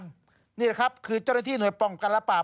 นี่แหละครับคือเจ้าหน้าที่หน่วยป้องกันและปราบ